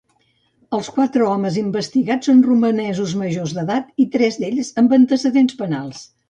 Els quatre homes investigats són romanesos majors d'edat, i tres d'ells amb antecedents penals.